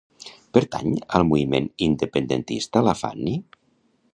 Pertany al moviment independentista la Fanny?